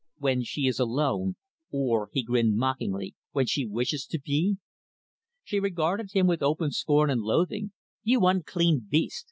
When she is alone. Or" he grinned mockingly "when she wishes to be?" She regarded him with open scorn and loathing. "You unclean beast!